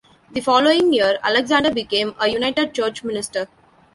The following year, Alexander became a United Church minister.